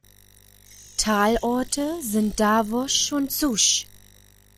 Talorte sind Davos und Susch.